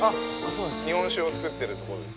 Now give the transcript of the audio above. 日本酒を造ってる所です。